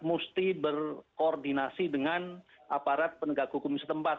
mesti berkoordinasi dengan aparat penegak hukum setempat